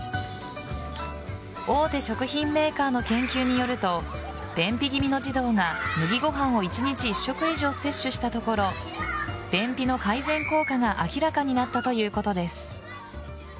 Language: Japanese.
大手食品メーカーの研究によると便秘気味の児童が麦ご飯を１日１食以上摂取したところ便秘の改善効果が明らかになったということです。